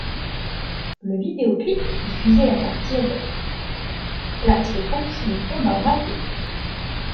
Le vidéo-clip diffusé à partir d' place le groupe sur le pont d'un vraquier.